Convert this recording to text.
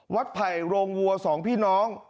วัดไผ่โรงวัว๒พี่น้อง